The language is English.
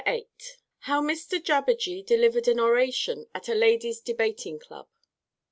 VIII _How Mr Jabberjee delivered an Oration at a Ladies' Debating Club.